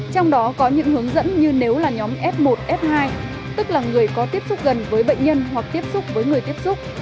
trong đó có những hướng dẫn như nếu là nhóm f một f hai tức là người có tiếp xúc gần với bệnh nhân hoặc tiếp xúc với người tiếp xúc